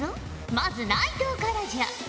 まず内藤からじゃ。